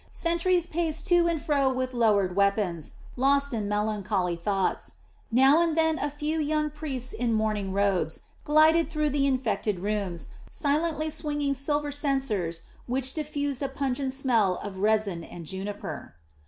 Sentries paced to and fro with lowered weapons, lost in melancholy thoughts. Now and then a few young priests in mourning robes glided through the infected rooms, silently swinging silver censers which diffused a pungent scent of resin and juniper.